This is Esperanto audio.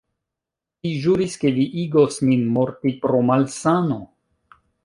Vi ĵuris, ke vi igos min morti pro malsano!